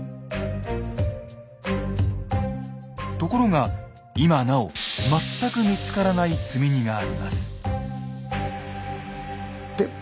ところが今なお全く見つからない積み荷があります。